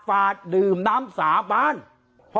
การแก้เคล็ดบางอย่างแค่นั้นเอง